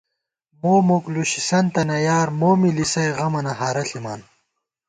مو مُک لُشِنتَنہ یار، مو می لِسَئ غمَنہ ہارہ ݪِمان